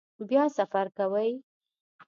بیا سفر کوئ؟